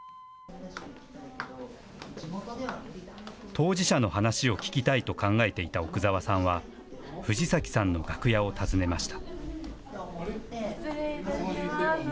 当事者の話を聞きたいと考えていた奥澤さんは、藤崎さんの楽屋を訪ねました。